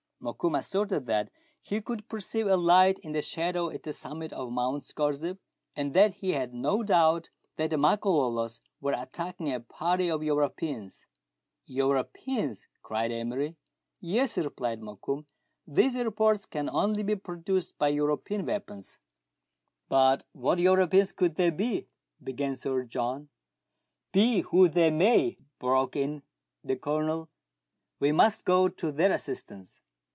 Mokoum asserted that he could perceive a light in the shadow at the summit of Mount Scorzef, and that he had no doubt that the Makololos were attacking a party of Europeans. THREE ENGLISHMEN AND THREE RUSSIANS. 1 77 " Europeans !" cried Emery. "Yes," replied Mokoum ; "these reports can only be produced by European weapons." " But what Europeans could they be ?" began Sir John. Be who they may," broke in the Colonel, "we must go to their assistance."